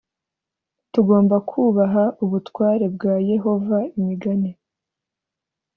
Tugomba kubaha ubutware bwa Yehova Imigani